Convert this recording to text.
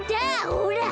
ほら。